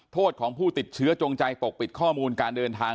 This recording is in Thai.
โทษของผู้ติดเชื้อจงใจปกปิดข้อมูลการเดินทาง